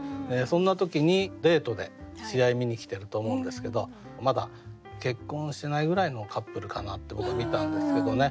そんな時にデートで試合見に来てると思うんですけどまだ結婚してないぐらいのカップルかなって僕は見たんですけどね。